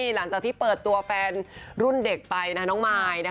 หลังจากที่เปิดตัวแฟนรุ่นเด็กไปน้องมาย